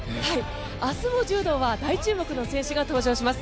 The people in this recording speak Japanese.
明日の柔道は大注目の選手が登場します。